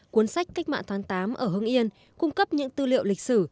cuốn sách cách mạng tháng tám ở hưng yên cung cấp những tư liệu lịch sử